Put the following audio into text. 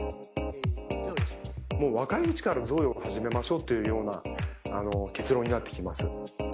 もう若いうちから贈与を始めましょうというような結論になってきます。